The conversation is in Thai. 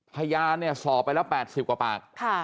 พยานเนี่ยสอบไปแล้ว๘๐กว่าปาก